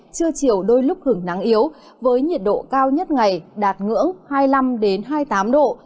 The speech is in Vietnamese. trưa chiều đôi lúc hưởng nắng yếu với nhiệt độ cao nhất ngày đạt ngưỡng hai mươi năm hai mươi tám độ